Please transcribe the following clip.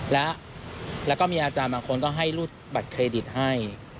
แล้วก็มีอาจารย์บางคนก็ให้รูดบัตรเครดิตให้